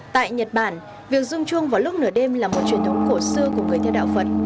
tại nhật bản việc dung chuông vào lúc nửa đêm là một truyền thống cổ xưa của người theo đạo phật